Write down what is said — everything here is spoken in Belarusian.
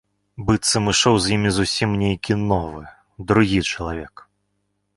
Быццам ішоў з імі зусім нейкі новы, другі чалавек.